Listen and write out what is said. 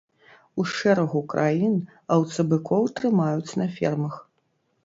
У шэрагу краін аўцабыкоў трымаюць на фермах.